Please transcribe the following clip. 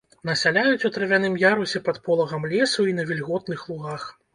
Насяляюць у травяным ярусе пад полагам лесу і на вільготных лугах.